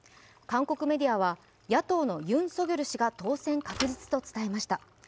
韓国メディアは野党のユン・ソギョル氏が当選確実と伝えました。